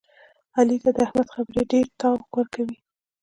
علي ته د احمد خبرې ډېرتاو ورکوي.